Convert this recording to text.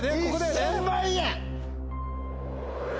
１０００万円！